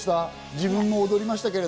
自分も踊りましたけれど。